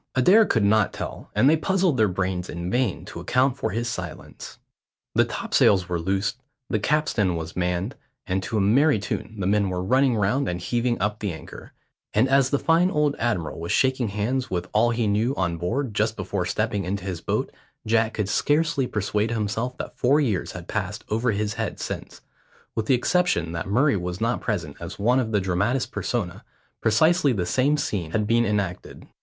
Adair could not tell, and they puzzled their brains in vain to account for his silence. The topsails were loosed, the capstan was manned, and to a merry tune the men were running round and heaving up the anchor, and as the fine old admiral was shaking hands with all he knew on board just before stepping into his boat, Jack could scarcely persuade himself that four years had passed over his head since, with the exception that Murray was not present as one of the dramatis persona, precisely the same scene had been enacted.